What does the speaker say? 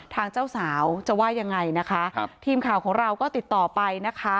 เจ้าสาวจะว่ายังไงนะคะครับทีมข่าวของเราก็ติดต่อไปนะคะ